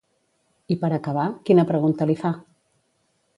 I per acabar, quina pregunta li fa?